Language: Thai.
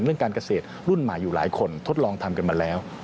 เรื่องการเกษตรรุ่นใหม่อยู่หลายคนทดลองทำกันมาแล้ว